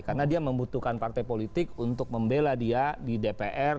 karena dia membutuhkan partai politik untuk membela dia di dpr